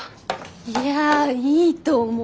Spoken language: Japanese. いやいいと思う。